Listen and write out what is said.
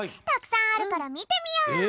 たくさんあるからみてみよう！